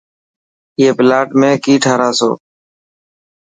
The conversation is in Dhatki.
ائي پلاٽ ۾ ڪي ٺاراسو.